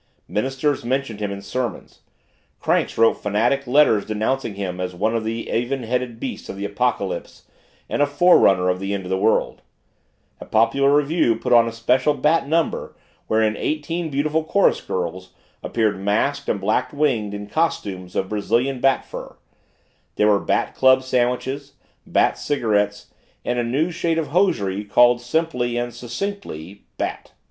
Ministers mentioned him in sermons; cranks wrote fanatic letters denouncing him as one of the even headed beasts of the Apocalypse and a forerunner of the end of the world; a popular revue put on a special Bat number wherein eighteen beautiful chorus girls appeared masked and black winged in costumes of Brazilian bat fur; there were Bat club sandwiches, Bat cigarettes, and a new shade of hosiery called simply and succinctly Bat.